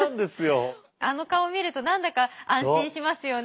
あの顔見ると何だか安心しますよね